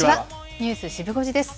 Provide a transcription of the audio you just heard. ニュースシブ５時です。